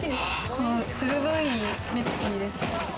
鋭い目つきです。